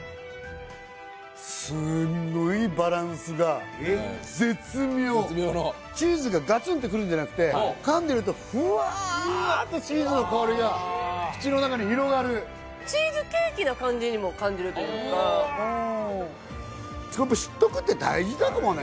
すんごいバランスが絶妙チーズがガツンとくるんじゃなくて噛んでるとふわってチーズの香りが口の中に広がるチーズケーキな感じにも感じるというか知っとくって大事かもね